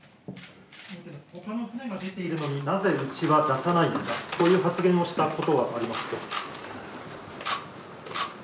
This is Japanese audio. ほかの船が出ているのに、なぜうちは出さないのかという発言をしたことはありますか？